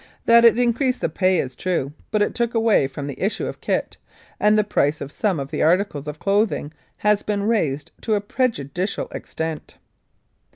That it increased the 8 1883 84. Regina pay is true, but it took away from the issue of kit ; and the price of some of the articles of clothing has been raised to a prejudicial extent.